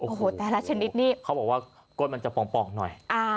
โอ้โหแต่ละชนิดนี่เขาบอกว่าก้นมันจะป่องหน่อย